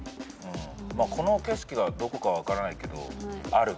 この景色がどこかは分からないけどあるっていう。